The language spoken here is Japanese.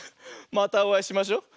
またおあいしましょう。